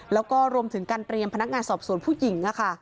แล้วก็รวมถึงการเตรียมพนักงานสอบสวนผู้หญิง